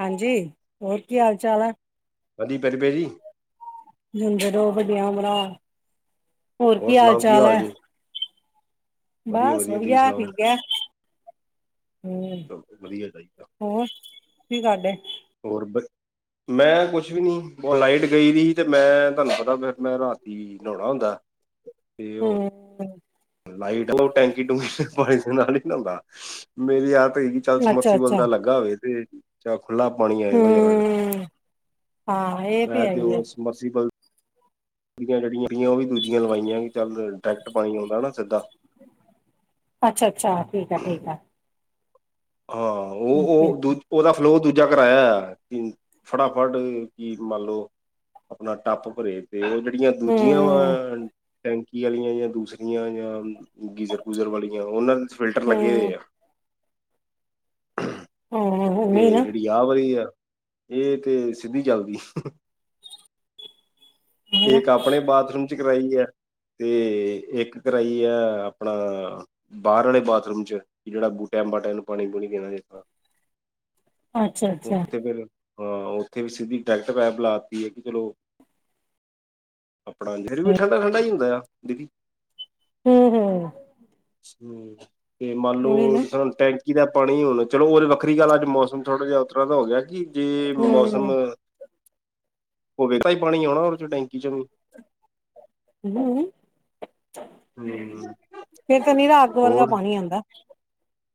ਹਾਂਜੀ! ਹੋਰ ਕੀ ਹਾਲ ਚਾਲ ਆ? ਵਧੀ, ਪੈਲੀ ਪੇ ਜੀ। ਜਿਉਂਦੇ ਰਹੋ, ਵੱਡੀਆਂ ਉਮਰਾਂ ਹੋਰ ਕੀ ਹਾਲ ਚਾਲ ਐ,, ਬਸ ਵਧੀਆ, ਠੀਕ ਐ। ਹੋਰ, ਚਲੋ ਵਧੀਆ ਚਾਹੀਦਾ ਹੋਰ ਕੀ ਕਰਦੇ? ਹੋਰ ਬੱਚ ਮੈਂ ਕੁਛ ਵੀ ਨੀ ਉਹ ਲਾਈਟ ਗਈ ਵੀ ਸੀ ਤੇ ਮੈਂ ਤੁਹਾਨੂੰ ਪਤਾ ਅਗਰ ਮੈਂ ਰਾਤੀ ਵੀ ਨਉਣਾ ਹੁੰਦਾ ਤੇ ਹੁਣ ਹਮ ਲਾਈਟ ਉਹ ਟੈਂਕੀ ਟੂੰਕੀ ਪਾਣੀ ਦੇ ਨਾਲ ਹੀ ਨਉਂਦਾ, ਮੇਰੀ ਆਦਤ ਹੈਗੀ ਚੱਲ ਅੱਛਾ ਸਮਾਸੀਬਲ ਅੱਛਾ ਦਾ ਲੱਗਾ ਹੋਵੇ ਤੇ ਚੱਲ ਖੁਲਾ ਪਾਣੀ ਆ ਜਾਂਦਾ ਜਰਾ ਕ, ਹਮ ਹਾਂ ਇਹ ਮੈਂ ਹੈ ਤੇ ਹੀ ਹੈ। ਉਹ ਸਮਾਸੀਬਲ ਟੂਟੀਆਂ ਜਿਹੜੀਆਂ ਸੀਗੀਆ ਉਹ ਵੀ ਦੂਜੀਆਂ ਲਵਾਈਆਂ ਚੱਲ ਡਾਇਰੈਕਟ ਪਾਣੀ ਆਉਂਦਾ ਨਾ ਸਿੱਧਾ। ਅੱਛਾ- ਅੱਛਾ। ਠੀਕ ਆ, ਠੀਕ ਆ। ਆਹੋ ਓ ਓਕੇ -ਓ ਦੂਜੇ ਉਹਦਾ ਫਲੋ ਦੂਜਾ ਕਰਾਇਆ ਹੋਇਆ, ਫਟਾਫਟ ਚੀਜ਼ ਮੰਨ ਲਓ ਆਪਣਾ ਟੱਪ ਭਰੇ ਪਏ, ਉਹ ਜਿਹੜੀਆਂ ਦੂਜੀਆਂ ਵਾਂ ਹਮ ਟੈਂਕੀ ਆਲੀਆਂ ਜਾਂ ਦੂਸਰੀਆ ਦੂਜੀਆਂ ਜਾਂ ਗੀਜ਼ਰ ਗੂਜਰ ਵਾਲੀਆਂ ਹੋਣ ਨਾ ਵਿੱਚ ਫਿਲਟਰ ਲੱਗੇ ਹਮ ਹੋਏ ਆ। ਹੂੰ- ਹੂੰ ਤੇ ਜਿਹੜੀ ਆ ਵਾਲੀ ਆ, ਇਹ ਤੇ ਸਿੱਧੀ ਚੱਲਦੀ। ਨਾ ਇੱਕ ਆਪਣੇ ਬਾਥਰੂਮ ਇਹ 'ਚ ਕਰਾਈ ਆ ਤੇ ਇੱਕ ਕਰਾਈ ਆ ਆਪਣਾ ਬਾਰ ਵਾਲੇ ਬਾਥਰੂਮ 'ਚ ਜਿਹੜਾ ਬੂਟਿਆਂ ਬਾਟਿਆਂ ਨੂੰ ਪਾਣੀ ਪੂਣੀ ਦੇਣਾ ਹੂੰਦਾ। ਅੱਛਾ ਅੱਛਾ ਉੱਥੇ ਫਿਰ ਹਾਂ, ਉੱਥੇ ਵੀ ਸਿੱਧੀ ਡਾਇਰੈਕਟ ਪਾਇਪ ਲਾਤੀ ਐ ਕਿ ਚਲੋ ਆਪਣਾ ਫਿਰ ਵੀ ਹਮ ਠੰਡਾ- ਠੰਡਾ ਹੀ ਹੁੰਦਾ ਆ ਦੀਦੀ। ਹੂੰ -ਹੂੰ ਹੂੰ ਤੇ ਮੰਨ ਉਹੀ ਨਾ ਲਓ ਟੈਂਕੀ ਦਾ ਪਾਣੀ ਹੁਣ ਚਲੋ ਉਹ ਵੱਖਰੀ ਗੱਲ ਅੱਜ ਮੌਸਮ ਥੋੜਾ ਜਿਹਾ ਉਹ ਤਰ੍ਹਾਂ ਦਾ ਹੋ ਗਿਆ ਕਿ ਜੇ ਹਮ ਮੌਸਮ ਹੋਵੇ ਤਾਂ ਏਦਾ ਹੀ ਪਾਣੀ ਆਉਣਾ ਟੈਂਕੀ 'ਚ ਵੀ। ਹੂੰ ਫਿਰ ਤਾਂ ਨਿਰਾ ਅੱਗ ਵਰਗਾ ਹੋਰ ਪਾਣੀ ਆਂਦਾ।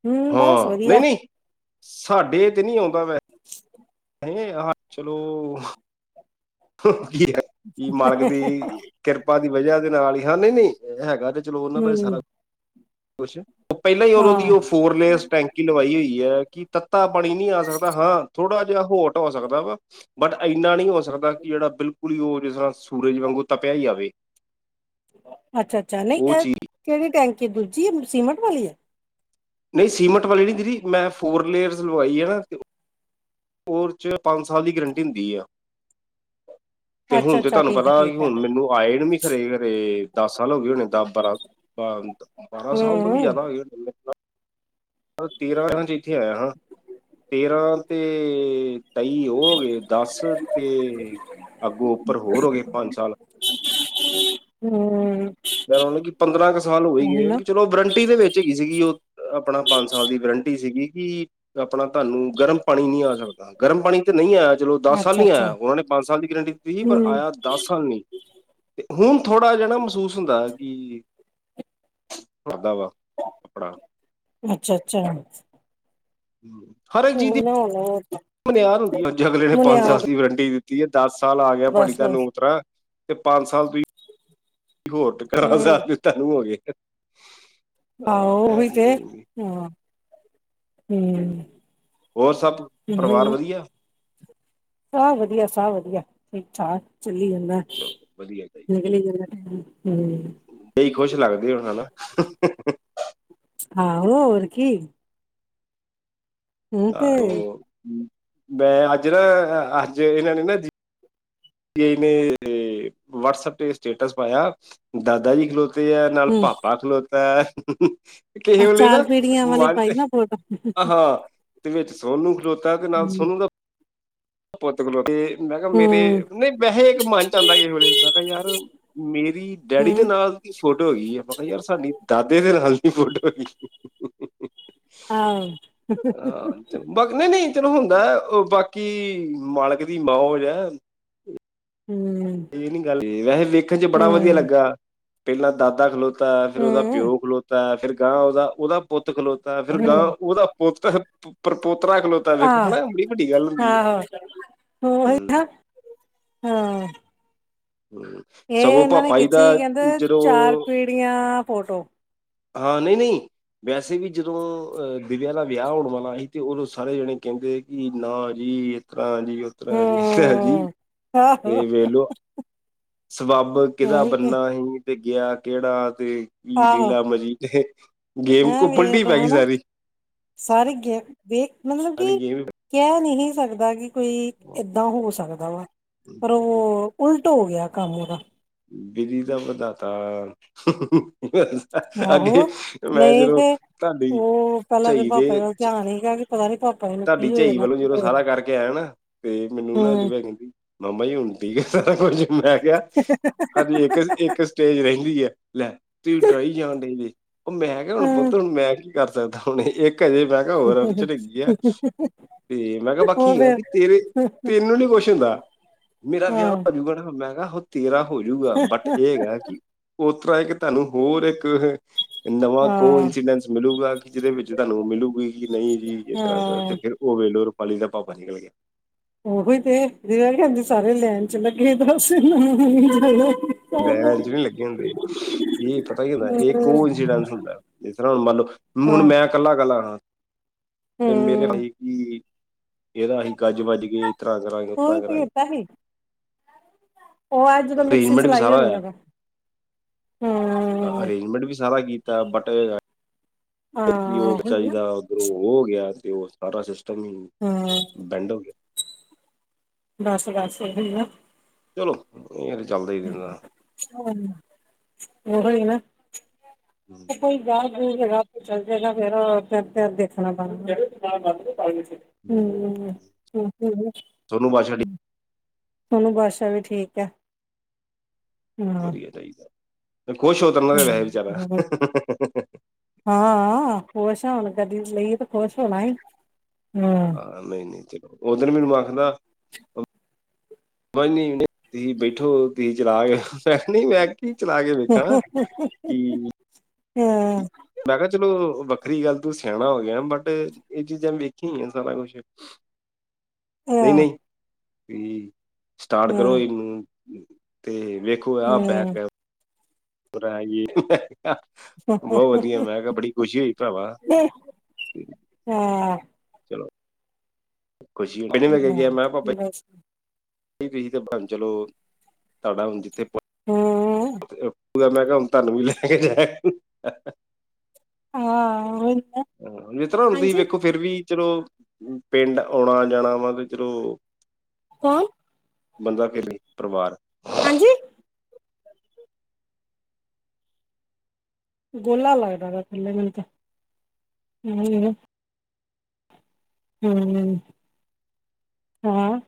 ਹੂੰ ਬਸ ਹਾਂ ਨਹੀਂ ਵਧੀਆ। ਨਹੀਂ ਸਾਡੇ ਇਥੇ ਨਹੀਂ ਆਉਂਦਾ ਵੈ [inaudible] ਇਹ ਹਾ ਚਲੋ, ਕੀ ਆ [unintelligible] ਕੀ ਮਾਲਕ ਦੀ ਕਿਰਪਾ ਦੀ ਵਜ੍ਹਾ ਦੇ ਨਾਲ ਹੀ ਹਾਂ ਨਈ-ਨਈ ਹੈਗਾ ਤੇ ਚਲੋ, ਉਹਨਾਂ ਦਾ ਹਮ ਸਾਰਾ ਕੁਛ, ਪਹਿਲਾਂ ਹੀ ਓਦੋ ਹਾਂ ਦੀ ਉਹ ਫੋਰਲੇਸ ਟੈਂਕ ਕੀ ਲਵਾਈ ਹੋਈ ਐ, ਕੀ ਤੱਤਾ ਪਾਣੀ ਨੀ ਆ ਸਕਦਾ ਹਾਂ ਥੋੜ੍ਹਾ ਜਿਹਾ ਹੋਟ ਹੋ ਸਕਦਾ ਵਾ ਬਟ ਇੰਨਾ ਨੀ ਹੋ ਸਕਦਾ ਕਿ ਜਿਹੜਾ ਬਿਲਕੁਲ ਹੀ ਉਹ ਅਜਿਹਾ ਸੂਰਜ ਵਾਂਗੂ ਤਪਿਆ ਈ ਆਵੇ ਅੱਛਾ- ਅੱਛਾ ਨਈ ਉਹ ਇਹ ਚੀਜ਼ ਕਿਹੜੀ ਟੈਂਕੀ ਦੂਜੀ ਐ ਸੀਮਿੰਟ ਵਾਲੀ ਨਈ ਸੀਮਿੰਟ ਵਾਲੀ ਨੀ ਦੀਦੀ ਮੈਂ ਫੋਰ ਲੇਅਰਜ ਲਵਾਈ ਐ ਨਾ ਓਸ'ਚ' ਪੰਜ ਸਾਲ ਦੀ ਗਰੰਟੀ ਹੁੰਦੀ ਆ ਤੇ ਹੁਣ ਤੇ ਅੱਛਾ-ਅੱਛਾ ਤੁਹਾਨੂੰ ਠੀਕ ਹੈ ਪਤਾ ਕੀ ਠੀਕ ਹੈ ਹੁਣ ਮੈਨੂੰ ਆਏ ਨੂੰ ਵੀ ਘਰੇ- ਘਰੇ ਦਸ ਸਾਲ ਹੋ ਗਏ ਹੋਣੇ ਆ, ਦਸ- ਬਾਰਾਂ-ਬਾਰਾਂ ਸਾਲ ਤੋਂ ਵੀ ਹੂੰ ਜ਼ਿਆਦਾ ਹੋ ਗਏ ਹੋਣੇ ਮੈ ਤੇਰਾ ਸੰਨ 'ਚ' ਇੱਥੇ ਆਇਆ ਹਾਂ ਤੇਰਾਂ ਤੇ ਤੇਈ ਉਹ ਹੋ ਗਏ ਦਸ ਤੇ ਅਗੋ ਉੱਪਰ ਹੋ ਗਏ ਪੰਜ ਸਾਲ ਹੂੰ ਮਤਲਬ ਕਿ ਪੰਦਰਾਂ ਕੁ ਸਾਲ ਹੋਈ ਗਈ ਉਹੀ ਏ, ਨਾ ਚਲੋ ਵਰੰਟੀ ਦੇ ਵਿੱਚ ਚੀ ਗੀ ਸੀਗੀ ਉਹ ਆਪਣਾ ਪੰਜ ਸਾਲ ਦੀ ਗਰੰਟੀ ਸੀਗੀ ਕੀ ਆਪਣਾ ਤੁਆਨੂੰ ਗਰਮ ਪਾਣੀ ਨੀ ਆ ਸਕਦਾ। ਗਰਮ ਪਾਣੀ ਤੇ ਨਈ ਆਇਆ ਚਲੋ ਦਸ ਸਾਲ ਨੀ ਅੱਛਾ-ਅੱਛਾ ਆਇਆ ਉਹਨਾਂ ਨੇ ਪੰਜ ਸਾਲ ਦੀ ਗਰੰਟੀ ਦਿੱਤੀ ਸੀ ਪਰ ਹੂੰ ਆਇਆ ਦੱਸ ਸਾਲ ਨੀ, ਤੇ ਹੁਣ ਥੋੜਾ ਜਿਹਾ ਨਾ ਮਹਿਸੂਸ ਹੁੰਦਾ ਕੀ, ਆਦਾ ਵਾ ਆਪਣਾ ਅੱਛਾ- ਅੱਛਾ। [unintelligible] ਹਰ [unintelligible] ਮੁਨਿਆਰ ਹੁੰਦੀ ਐ, ਅੱਜ ਅਗਲੇ ਨੇ ਪੰਜ ਸਾਲ ਮੁਨਿਆਦ ਦੀ ਵਰੰਟੀ ਦਿੱਤੀ ਐ, ਦਸ ਸਾਲ ਆ ਗਿਆ ਪਾਣੀ ਬਸ ਤੁਹਾਨੂੰ ਬਸ ਉਸ ਤਰ੍ਹਾਂ ਤੇ ਪੰਜ ਸਾਲ ਤੀ ਹੋਰ ਕਰਾਂ ਗਿਆਰਾਂ ਹੂੰ ਸਾਲ ਤਹਾਨੂੰ ਹੋ ਗਏ। ਆਹੋ ਆਹ, ਇਹ ਉਹੀ ਚੀਜ਼ ਤੇ, ਹਾਂ ਹੂੰ, ਹੋਰ ਸਭ ਉਹੀ ਪਰਿਵਾਰ ਨਾ ਵਧੀਆ? ਸਭ ਵਧੀਆ- ਸਭ ਵਧੀਆ, ਠੀਕ-ਠਾਕ ਚੁੱਲੀ ਜਾਂਦਾ ਚਲੋ ਵਧੀਆ ਭਾਈ ਨਿਕਲੀ ਜਾਂਦਾ ਟਾਈਮ ਹੂ ਕੋਈ ਖੁਸ਼ ਲੱਗਦੇ ਹੋ ਹਨਾ ਹਾਂ ਉਹ ਹੋਰ ਕੀ ਏ। ਤੇ ਆਏ ਓ, ਮੈਂ ਅੱਜ ਨਾ ਅੱਜ ਇਹਨਾਂ ਨੇ ਨਾ ਜ [unintelligible] ਨੇ ਵਟਸਐਪ ਤੇ ਸਟੇਟਸ ਪਾਇਆ ਦਾਦਾ ਜ ਖਲੋ ਤੇ ਆ ਨਾਲ ਹੂੰ ਭਾਪਾ ਖਲੋਤਾ ਐ ਕਿਸੇ ਆਹ ਵੇਲੇ ਚਾਰ ਨਾ ਪੀੜੀਆਂ ਵਾਲੀ ਮੰਨ ਪਾਈ ਨਾ ਫੋਟੋ ਆਹਾ ਤੇ ਵਿੱਚ ਸੋਨੂੰ ਖਲੋਤਾ ਕੇ ਨਾਲ ਹੂੰ ਸੋਨੂੰ ਦਾ ਪੁੱਤ ਖਲ੍ਹੋਤਾ ਤੇ ਮੈਂ ਕਿਹਾ ਮੇਰੇ, ਹੂੰ ਨਈ ਵੈਸੇ ਇੱਕ ਮਨ 'ਚ' ਆਦਾ ਕਿਸ ਵੇਲੇ ਇਦਾ ਮੈਂ ਕਿਹਾ ਯਾਰ ਮੇਰੀ ਡੈਡੀ ਦੇ ਹੂੰ ਨਾਲ ਫੋਟੋ ਹੈਗੀ ਐ, ਪਤਾ ਹੀ ਆ ਪਰ ਸਾਡੀ ਦਾਦੇ ਦੇ ਨਾਲ ਨੀ ਫੋਟੋ ਹੈਗੀ ਹਾ ਹਾਂ ਚਲੋ ਬਾਕੀ ਨਈ-ਨਈ ਚਲੋ ਹੁੰਦਾ ਓ ਬਾਕੀ ਮਾਲਕ ਦੀ ਮੋਜ ਐ ਹੂੰ ਇਹ ਨੀ ਗੱਲ, ਵੈਸੇ ਵੇਖਣ 'ਚ' ਬੜਾ ਵਧੀਆ ਹੂੰ, ਲੱਗਾ ਪਹਿਲਾਂ ਦਾਦਾ ਖਲੋ ਤਾ ਫਿਰ ਉਹਦਾ ਹੂੰ, ਪਿਉ ਖਲੋਤਾ, ਫੇਰ ਗਾਂ ਉਹਦਾ- ਉਹਦਾ ਪੁੱਤ ਖਲੋਤਾ, ਫੇਰ ਗਾਂ ਹੂੰ ਉਹਦਾ ਪੁੱਤ ਪਰਪੋਤਰਾ ਖਲੋਤਾ ਵੇਖੋ ਆਹ ਹਨਾ, ਐ ਬੜੀ ਵੱਡੀ ਗੱਲ ਹੁੰਦੀ ਆ, ਆਹੋ ਉਹੀ ਹੁੰ ਨਾ ਹਾਂ। ਹੁੰ, ਇਹ ਇਹਨਾਂ ਨੇ ਖਿੱਚੀ ਕਹਿੰਦੇ ਚਾਰ ਜਦੋਂ ਪੀੜੀਆਂ ਫੋਟੋ ਹਾਂ, ਨਹੀਂ-ਨਹੀਂ। ਵੈਸੇ ਵੀ ਜਦੋਂ ਅਹ ਦਿਵਿਆ ਦਾ ਵਿਆਹ ਹੋਣ ਵਾਲਾ ਹੀ ਤੇ ਸਾਰੇ ਜਣੇ ਕਹਿੰਦੇ ਕਿ ਨਾ ਜੀ ਹਾਂਜੀ ਉਤਰਾ ਜੀ, ਹਾਂਜੀ। ਹੂੰ ਆਹੋ ਤੇ ਵੇਲੋ ਸਬੱਬ ਕਿਹਦਾ ਉਹੀ ਤੇ ਬੰਨਾ ਸੀ, ਤੇ ਗਿਆ ਕਿਹੜਾ ਤੇ ਈ ਆਹੋ ਲੀਲਾ ਮਰੀ ਦੇ ਹੈਂ ਵੇਖ ਲੋ ਹਨਾ, ਸਾਰੇ ਗ ਵੇਖ ਮਤਲਬ ਸਾਰੀ ਕਿ ਗੇਮ ਕਹਿ ਨਹੀਂ ਸਕਦਾ ਕਿ ਕੋਈ ਏਦਾਂ ਹੋ ਸਕਦਾ ਵਾ, ਪਰ ਉਹ ਉਲ ਟ ਹੋ ਗਿਆ ਕੰਮ ਉਹਦਾ ਵਿਧੀ ਦਾ ਵਿਧਾਤਾ ਅੱਗੇ, ਆਹੋ ਮੈਂ ਨਹੀਂ ਜਦੋ ਤੇ ਤੁਹਾਡੀ ਉਹ ਪਹਿਲਾਂ ਤੇ ਚਈ ਪਾਪਾ ਦੇ ਦਾ ਧਿਆਨ ਸੀਗਾ ਕਿ ਪਤਾ ਨੀ ਪਾਪਾ ਜੀ ਨੂੰ ਤੁਹਾਡੀ ਕੀ ਹੋ ਚਈ ਜਾਣਾ ਵੱਲੋਂ ਕੀ ਜਦੋਂ ਹੋ ਸਾਰਾ ਜਾਣਾ ਕਰਕੇ ਆਇਆ ਨਾ ਤੇ ਮੈਨੂੰ ਨਾ ਹੂੰ ਦਿਵਿਆ ਕਹਿੰਦੀ ਮਾਮਾ ਜੀ ਹੁਣ ਠੀਕ ਐ ਸਾਰਾ ਕੁਝ, ਮੈਂ ਕਿਹਾ [inaudible] ਇੱਕ-ਇੱਕ ਸਟੇਜ ਰਹਿੰਦੀ ਐ, ਲੈ ਤੁਸੀ ਡਰਾਈ ਜਾਣ ਡਏ ਜੇ ਮੈਂ ਕਿਹਾ ਹੁਣ ਹੂੰ ਪੁੱਤ, ਹੁਣ ਮੈਂ ਕੀ ਕਰ ਸਕਦਾ ਹੁਣ ਇੱਕ ਹਜੇ ਮੈਂ [unintelligible] ਉਹ ਤੇ ਮੈਂ ਕਿਹਾ ਬਾਕੀ ਐ ਫੇਰ ਕਿ ਤੇਰੇ ਤੈਨੂੰ ਨੀ ਕੁਛ ਹੁੰਦਾ। ਮੇਰਾ ਵਿਆਹ ਹਾਂ ਹੋਜੂ ਗਾ ਨਾ, ਮੈਂ ਕਹਿਤਾ ਉ ਤੇਰਾ ਹੋਜੂਗਾ ਬਟ ਇਹ ਹੈਗਾ ਕਿ ਉਤਰਾ ਇੱਕ ਤੁਹਾਨੂੰ ਹੋਰ ਇੱਕ ਨਵਾਂ ਕੋ ਹਾਂ ਇੰਸੀਡੈਂਸ ਮਿਲੂਗਾ ਕਿ ਜਿਹਦੇ ਵਿੱਚ ਤੁਹਾਨੂੰ ਮਿਲੂਗੀ ਕਿ ਨਹੀਂ ਜੀ ਇਸ ਤਰ੍ਹਾਂ ਤੇ ਹਾਂ ਫੇਰ ਉਹ ਵੇਲੋ ਰੁਪਾਲੀ ਦਾ ਪਾਪਾ ਨਿਕਲ ਗਿਆ। ਉਹੀ ਤੇ [unintelligible] ਕਹਿੰਦੀ ਸਾਰੇ ਲੈਣ ਚ ਲੱਗੇ ਤਾਂ [unintelligible] ਲੈਨਾ ਚ ਨੀ ਲੱਗੇ ਹੁੰਦੇ। ਨਹੀ ਇਹ ਪਤਾ ਕੀ ਹੁੰਦਾ ਇਹ ਕੋ ਇੰਸੀਡੈਂਸ ਹੁੰਦਾ, ਜਿਸ ਤਰ੍ਹਾਂ ਹੁਣ ਮੰਨ ਲੋ ਹੁਣ ਹਾਂ ਮੈਂ ਕੱਲਾ-ਕੱਲਾ ਹਾਂ ਤੇ ਮੇਰੇ ਹਮ ਈ ਕੀ ਇਹਦਾ ਅਸੀਂ ਗੱਜ-ਵੱਜ ਕੇ ਈ ਤਰ੍ਹਾਂ ਕਰਾ ਗੇ ਉਹੀ ਤੇ ਕੀਤਾ ਈ। ਉਹ ਐ ਜਦੋਂ ਮਿਕਸੀ ਅਰੇਂਜਮੈਂਟ ਵੀ ਚਲਾਈ ਸਾਰਾ ਹੋਣੀ ਉਦੋਂ, ਹੁੰ, ਅ-ਅਰੇਂਜਮੈਂਟ ਵੀ ਸਾਰਾ ਕੀਤਾ ਬਟ ਅ ਹਾਂ ਉਹ ਉਹੀ ਬਚਾਰੀ ਨਾ ਦਾ ਉੱਧਰੋਂ ਹੋ ਗਿਆ ਤੇ ਉਹ ਸਾਰਾ ਸਿਸਟਮ ਹੀ ਹੁੰ, ਬੇਂਡ ਹੋ ਗਿਆ। ਬੱਸ-ਬੱਸ ਉਹੀ ਨਾ। ਚਲੋ ਇਹ ਤਾ ਚੱਲਦਾ ਹੀ ਰਹਿੰਦਾ ਊਹੋ ਈ ਨਾ। ਹਮ [unintelligible] ਹੁੰ, [unintelligible] ਸੋਨੂੰ ਬਾਦਸ਼ਾਹ ਸ਼ਾਡੀ ਸੋਨੂ ਬਾਦਸ਼ਾ ਵੀ ਠੀਕ ਐ। ਵਧੀਆ ਚਾਹੀਦਾ, ਖੁਸ਼ ਹੋ ਤਨਾ ਦੇ ਵੈਸੇ ਵਿਚਾਰਾ ਹਾਂ ਹਾਂ, ਖੁਸ਼ ਆ ਹੁਣ, ਗੱਡੀ ਲਈਏ ਤੇ ਖੁਸ਼ ਹੋਣਾ ਹੀ ਹਮ ਹਾਂ ਨਹੀਂ- ਨਹੀਂ ਜੀ ਉਦੀਨ ਮੈਨੂੰ ਆਖਦਾ ਮਨੀ ਤੁਸੀਂ ਬੈਠੋ ਤੁਸੀਂ ਚਲਾ ਕੇ ਮੈਂ ਕੀ ਚਲਾ ਕੇ ਵੇਖਾਂ ਕਿ ਹਾਂ। ਮੈਂ ਕਿਹਾ ਚਲੋ ਵੱਖਰੀ ਗੱਲ ਤੂੰ ਸਿਆਣਾ ਹੋ ਗਿਆ। ਬਟ ਇਹ ਚੀਜ਼ਾਂ ਵੇਖੀਆਂ ਆ ਸਾਰਾ ਕੁਛ ਨਹੀਂ-ਨਹੀ ਤੁਹੀ ਸਟਾਰਟ ਕਰੋ ਇਹਨੂੰ ਤੇ ਵੇਖੋ [unintelligible] ਬਹੁਤ ਵਧੀਆ ਮੈਂ ਕਿਹਾ ਬੜੀ ਖੁਸ਼ੀ ਹੋਈ ਭਰਾਵਾ। [unintelligible] ਚਲੋ ਖੁਸ਼ੀ ਹੇ ਪੇਹਲੇ ਕੇ ਗਿਆ ਮੈਂ ਕਿਹਾ ਪਾਪਾ [unintelligible] [unintelligible] ਭਾਵੇ ਚਲੋ ਤੁਹਾਡਾ ਹੁਣ ਜਿੱਥੇ [unintelligible] [unintelligible] ਮੈਂ ਕਿਹਾ ਹੁਣ ਤੁਹਾਨੂੰ ਵੀ ਲੈ ਜਾਇਆ ਕਰੋ [inaudible] ਹਾਂ ਉਹੀ ਨਾ [inaudible] ਨਹੀਂ ਤਾਂ ਤੁਹੀ ਹਾਂਜੀ, ਵੇਖੋ ਫੇਰ ਵੀ ਚਲੋ ਪਿੰਡ ਆਉਣਾ ਜਾਣਾ ਵਾ ਤੇ ਚਲੋ ਬੰਦਾ [unintelligible] ਪਰਿਵਾਰ ਹਾਂਜੀ। ਗੋਲਾ ਲੱਗਦਾ ਥੱਲੇ ਮੈਨੂੰ ਤਾਂ [inaudible] ਹੂੰ ਹਾਂ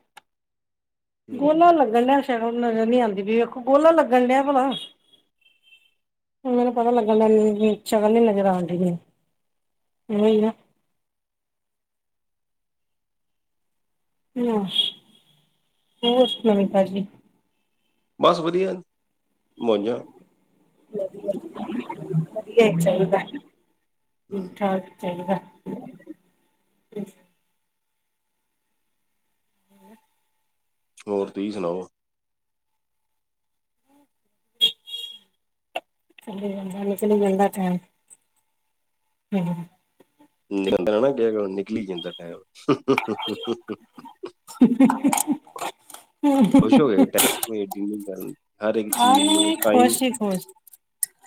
ਹੂੰ। ਗੋਲਾ ਲੱਗਣ ਡਿਆ ਸੀ ਸ਼ਕਲ ਨਜਰ ਨਹੀਂ ਆਂਦੀ ਪਈ ਗੋਲਾ ਲੱਗਣ ਡਿਆ ਭਲਾ ਮੈਨੂੰ ਪਤਾ ਲੱਗਣ ਡਿਆ ਸ਼ਕਲ ਨੀ ਨਜ਼ਰ ਡਿਆ। [unintelligible] [inaudible] ਹੋਰ ਨਮੀ-ਤਾਜੀ? ਬਸ ਵਧੀਆ ਮੌਝਾ। [unintelligible] ਵਧੀਆ ਚਾਹੀਦੈ [inaudible] ਹੂੰ। ਠੀਕ-ਠਾਕ ਚਾਹੀਦੈ ਹੋਰ ਤੁਸੀਂ ਸੁਣਾਓ। ਚੱਲੀ ਜਾਂਦਾ, ਨਿਕਲ ਜਾਂਦਾ ਟੈਮ। ਹੂੰ। ਨਿਕਲਦਾ ਨਾ ਕਿਹਾ ਕਰੋ, [unintelligible] ਨਿਕਲੀ ਜਾਂਦਾ ਟੈਮ। [unintelligible] [inaudible] ਖੁਸ਼ ਹੋ ਗਏ ਟ ਹਰ ਇੱਕ ਚੀਜ਼ ਨੂੰ ਟਾਈਮ ਹੋ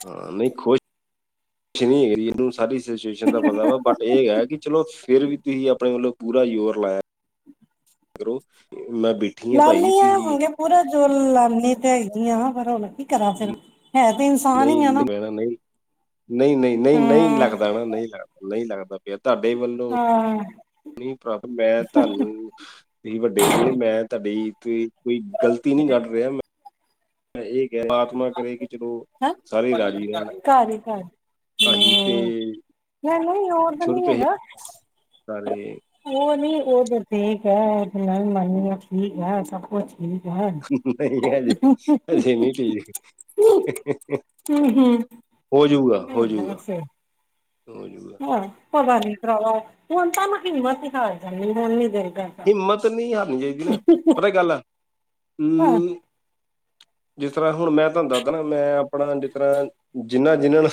ਹਾਂ ਨਹੀਂ ਖੁਸ਼ [inaudible] ਖੁਸ਼ ਨਹੀਂ ਹੈਗੀ ਇਹਨੂੰ ਸਾਰੀ ਸਿਚੁਏਸ਼ਨ ਦਾ ਪਤਾ ਵਾ ਇਹ ਹੈ ਕਿ ਚਲੋ ਫੇਰ ਵੀ ਤੁਸੀਂ ਆਪਣੇ ਵੱਲੋਂ ਪੂਰਾ ਜ਼ੋਰ ਲਾਇਐ। ਕਰੋ ਮੈਂ ਬੈਠੀ ਆ ਭਾਈ ਲਾਦੀ ਹਾ ਤੁਸੀਂ ਹਗੇ ਪੂਰਾ ਜੋ ਲਾਨੀ ਤੇ ਹੈਗੀ ਆ ਪਰ ਹੁਣ ਕੀ ਕਰਾ ਫੇਰ ਹੈ ਤੇ ਇਨਸਾਨ ਨਹੀਂ ਹੀ ਆ ਨਾ ਮੈਨੂੰ ਨਹੀਂ [inaudible] ਨਹੀਂ-ਨਹੀਂ-ਨਹੀਂ-ਨਹੀਂ ਲੱਗਦਾ ਹੂੰ ਨਹੀਂ ਲੱਗਦਾ ਨਹੀਂ ਲੱਗਦਾ ਪਿਆ ਤੁਹਾਡੇ ਵੱਲੋਂ ਹਾਂ [inaudible] ਮੈਂ ਤਾ ਤਾਨੂੰ ਤੁਸੀ ਵੱਡੇ ਜੇ ਮੈਂ ਤੁਹਾਡੀ ਕੋਈ ਗ਼ਲਤੀ ਨਹੀਂ ਕੱਢ ਰਿਹਾ ਮੈਂ ਮੈਂ ਇਹ ਕਹਿ ਪ੍ਰਮਾਤਮਾ ਕਰੇ ਕਿ ਚਲੋ ਹੈਂ ਸਾਰੇ ਰਾਜ਼ੀ ਰਹਿਣ ਘਰ ਹੀ ਘਰ ਆਹੀ ਤੇ ਨਹੀਂ-ਨਹੀ ਉਹ ਤੇ ਸ਼ੁਰੂ ਨਹੀ ਤੋਂ ਇਹ ਹੈਗਾ ਸਾਰੇ ਉਹ ਨੀ ਉਹ ਤਾਂ ਠੀਕ ਐ ਤੇ ਮੈ ਵੀ ਮੰਨਦੀਆ ਠੀਕ ਐ ਸਭ ਕੁਛ [unintelligible] ਨਹੀਂ ਹਜੇ - ਹਜੇ ਨਹੀਂਠੀਕ। ਹੂੰ ਹੂੰ ਹੋਜੂਗਾ -ਹੋਜੂਗਾ। ਬਸ ਫਿਰ ਹੋਜੂਗਾ। ਪਤਾ ਨੀ ਭਰਾਵਾ, ਹੁਣ ਤਾਂ ਹਿੰਮਤ ਹੀ ਹਾਰ ਜਾਂਦੀ, ਹੁਣ ਨੀ ਦਿਲ ਕਰਦਾ। ਹਿੰਮਤ ਨਹੀਂ ਹਾਰਨੀ ਚਾਹੀਦੀ ਨਾ, ਪਤਾ ਕੀ ਗੱਲ ਆ ਹਾਂ। ਹਮ ਜਿਸ ਤਰ੍ਹਾਂ ਹੁਣ ਮੈਂ ਤੁਹਾਨੂੰ ਦੱਸਦਾ ਨਾ, ਮੈਂ ਆਪਣਾ ਜਿਸ ਤਰ੍ਹਾਂ ਜਿੰਨ੍ਹਾਂ- ਜਿਨ੍ਹਾਂ ਨੂੰ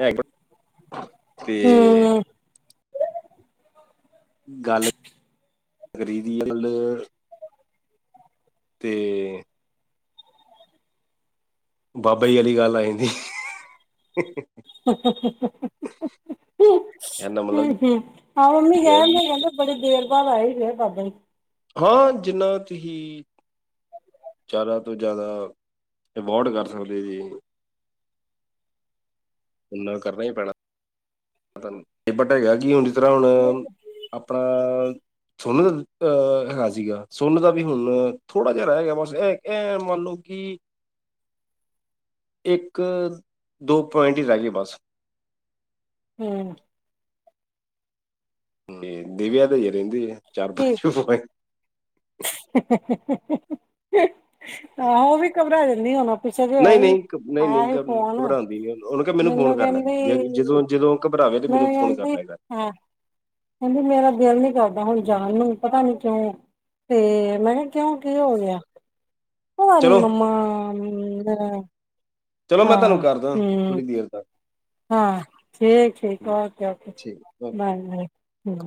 ਹੈਬਿਟ ਤੇ ਹੂੰ, ਗੱਲ ਕਰੀ ਦੀ ਆ ਮਤਲਬ ਤੇ ਬਾਬਾ ਜੀ ਆਲੀ ਗੱਲ ਆ ਜਾਂਦੀ। ਹੂ ਇਹਦਾ ਮਤਲਬ -ਹੂ ਆਹ ਮੰਮੀ ਕੀ ਆ ਕਹਿਣਾ ਕਿ ਤਾ ਕਹਿ ਦੋ। ਬੜੀ ਦੇਰ ਬਾਅਦ ਆਏ ਫੇਰ ਬਾਬਾ ਜੀ। ਹਾਂ ਜਿਨਾ 'ਚ ਹੀ ਜਿਆਦਾ ਤੋਂ ਜ਼ਿਆਦਾ ਅਵੋਡ ਕਰ ਸਕਦੇ ਜੀ। ਉਹਨਾਂ ਕਰਨਾ ਈ ਪੈਣਾ। ਪਤਾ ਨੀ ਇਹ ਪਟੇਗਾ। ਜੇ ਜਿਸ ਤਰ੍ਹਾਂ ਹੁਣ ਆਪਣਾ ਸੋਨੂੰ ਤਾਂ ਐਹ ਹਾਲ ਸੀਗਾ, ਸੋਨੂੰ ਦਾ ਵੀ ਹੁਣ ਥੋੜ੍ਹਾ ਜਿਹਾ ਰਹਿ ਗਿਆ। ਬਸ ਇ ਐ ਮੰਨ ਲਓ ਕੀ ਇੱਕ - ਦੋ ਪੁਆਇੰਟ ਈ ਲਾਈਏ ਬਸ। ਹੂੰ ਦੇਵੀਆਂ ਤੇ ਈ ਰਹਿੰਦੀ ਏ ਚਾਰ ਠੀਕ। ਪੰਜ ਮੋਬ ਆਹੋ, ਉਹ ਵੀ ਘਬਰਾ ਜਾਂਦੀ ਆ ਹੁਣ। ਪਿੱਛੇ ਜੇ ਨਹੀਂ ਆਇਆ ਨਹੀਂ ਘ- ਨਹੀਂ ਆਇਆ ਨਹੀਂ ਹੀ ਘਬ- ਫੋਨ, ਘਬਰਾਉਂਦੀ ਨਹੀਂ ਉਹਨੂੰ ਕਿਹਾ ਫੋਨ ਮੈਨੂੰ ਕਰ ਲੈ ਕਹਿੰਦੀ ਕਰ। ਜੇ ਜਦੋਂ ਜਦੋਂ ਘਬਰਾਵੇ ਤੇ ਮੈਨੂੰ ਮੈਂਨੂੰ ਫੋਨ ਕਰ ਕਹਿੰਦੀ ਲੈ ਕਰ ਆਕਹਿੰਦੀ ਮੇਰਾ ਦਿਲ ਨੀ ਕਰਦਾ ਹੁਣ ਜਾਣ ਨੂੰ। ਪਤਾ ਨੀ ਕਿਉਂ? ਤੇ ਮੈਂ ਕਿਹਾ ਕਿਉਂ ਕੀ ਹੋ ਗਿਆ? ਆ ਨੀ ਚਲੋ ਮੰਮਾ ਮਿਦੰਰਾ। ਚਲੋ, ਮੈਂ ਤੁਹਾਨੂੰ ਕਰਦਾ, ਥੋੜ੍ਹੀ ਦੇਰ ਤੱਕ। ਹਾਂ ਠੀਕ -ਠੀਕ, ਓਕੇ -ਓਕੇ, ਠੀਕ ਓਕੇ ਬਾਏ -ਬਾਏ।